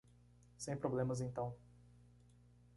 Sem problemas então.